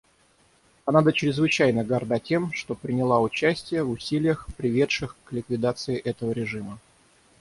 Канада чрезвычайно горда тем, что приняла участие в усилиях, приведших к ликвидации этого режима.